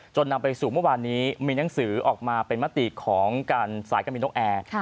นำไปสู่เมื่อวานนี้มีหนังสือออกมาเป็นมติของการสายการบินนกแอร์